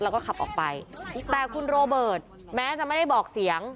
แล้วก็ขับออกไปแต่คุณโรเบิร์ตแม้จะไม่ได้บอกเสียง